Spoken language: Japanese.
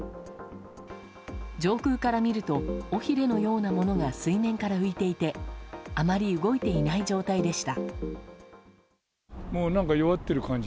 上空から見ると尾ひれのようなものが水面から浮いていてあまり動いていない状態でした。